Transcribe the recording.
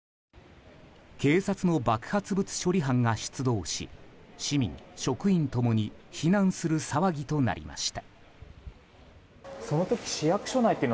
警察の爆発物処理班が出動し市民、職員共に避難する騒ぎとなりました。